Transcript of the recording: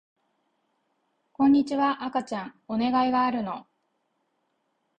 こんにちは赤ちゃんお願いがあるの